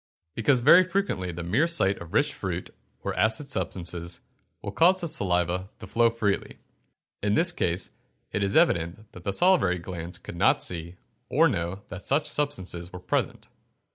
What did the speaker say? _ Because very frequently the mere sight of rich fruit, or acid substances, will cause the saliva to flow freely. In this case it is evident that the salivary glands could not see or know that such substances were present.